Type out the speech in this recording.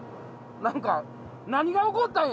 何か何が起こったんや？